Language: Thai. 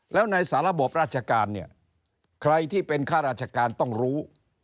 แล้วในสาระบบราชการเนี่ยใครที่เป็นข้าราชการต้องรู้